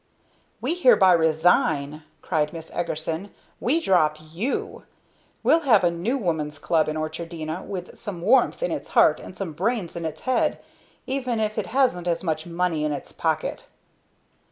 "We hereby resign!" cried Miss Eagerson. "We drop you! We'll have a New Woman's Club in Orchardina with some warmth in its heart and some brains in its head even if it hasn't as much money in its pocket!"